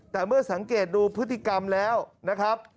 แต่เมื่อสังเกตดูพฤติกรรมแล้วนะครับ